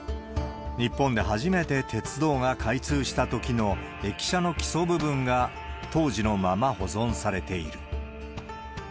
日本で初めて鉄道が開通したときの駅舎の基礎部分が、当時のまま保存されている。